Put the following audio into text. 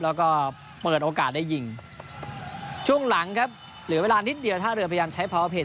แล้วก็เปิดโอกาสได้ยิงช่วงหลังครับเหลือเวลานิดเดียวท่าเรือพยายามใช้ภาวะเพล